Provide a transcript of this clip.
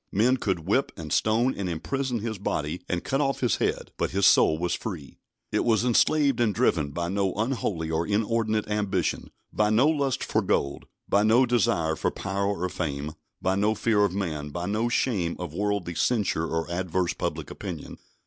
Men could whip, and stone, and imprison his body, and cut off his head, but his soul was free. It was enslaved and driven by no unholy or inordinate ambition, by no lust for gold, by no desire for power or fame, by no fear of man, by no shame of worldly censure or adverse public opinion.